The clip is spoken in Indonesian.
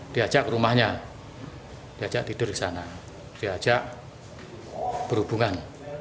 diajak ke rumahnya diajak tidur di sana diajak berhubungan